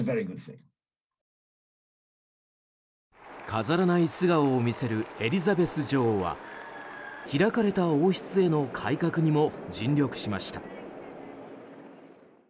飾らない素顔を見せるエリザベス女王は開かれた王室への改革にも尽力しました。